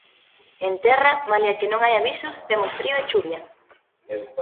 En terra, malia que non hai avisos, temos frío e chuvia.